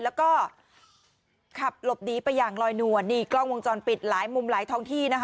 แล้วก็ขับหลบหนีไปอย่างลอยนวลนี่กล้องวงจรปิดหลายมุมหลายท้องที่นะคะ